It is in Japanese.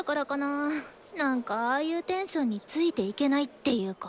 なんかああいうテンションについていけないっていうか。